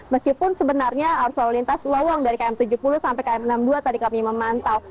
meskipun sebenarnya arus lalu lintas lowong dari km tujuh puluh sampai km enam puluh dua tadi kami memantau